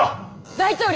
大統領！